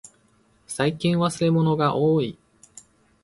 最近忘れ物がおおい。